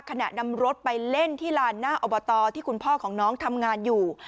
นำรถไปเล่นที่ลานหน้าอบตที่คุณพ่อของน้องทำงานอยู่